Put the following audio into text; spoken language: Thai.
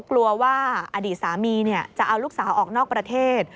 กลัวว่าอดีตสามีจะเอาลูกสาวออกนอกประเทศ